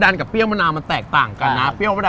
ใช่ครับ๒๐๒๐ร้องชิมดีมั้ย